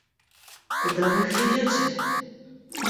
— Куда вы их ведете?